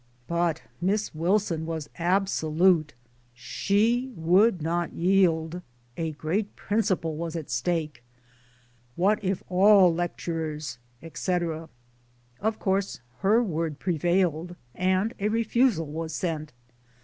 But Miss Wilson was absolute. She would not yield a great principle was at stake. ;< What if all lecturers," etc. Of course her word prevailed, and a refusal was sent.